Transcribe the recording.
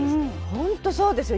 本当そうですよ。